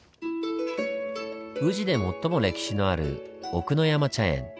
宇治で最も歴史のある奥ノ山茶園。